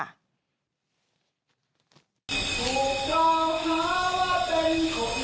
หลังไว้หล่อพังข้อเล่า